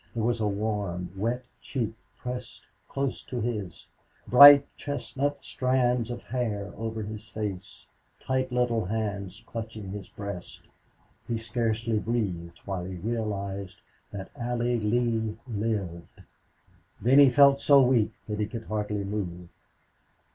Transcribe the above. There was a warm, wet cheek pressed close to his, bright chestnut strands of hair over his face, tight little hands clutching his breast. He scarcely breathed while he realized that Allie Lee lived. Then he felt so weak that he could hardly move.